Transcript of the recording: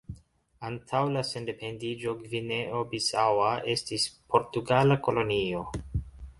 Antaŭ la sendependiĝo Gvineo-Bisaŭa estis portugala kolonio.